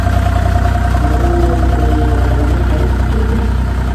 nkarenganya umuja wanjye hari icyo dupfa